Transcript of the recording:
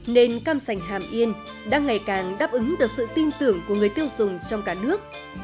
nên cam sành hàm yên đang ngày càng đáp ứng được sự tin tưởng của người tiêu dùng trong cả nước